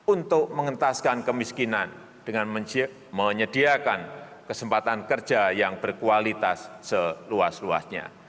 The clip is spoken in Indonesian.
untuk mengentaskan kemiskinan dengan menyediakan kesempatan kerja yang berkualitas seluas luasnya